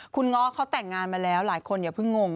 คุณง้อเขาแต่งงานมาแล้วหลายคนอย่าเพิ่งงง